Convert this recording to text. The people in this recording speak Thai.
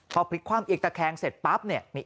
พอพลิกคว่ำเอียงตะแคงเสร็จปั๊บเนี่ย